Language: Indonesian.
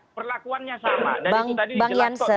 oke mbak nianshan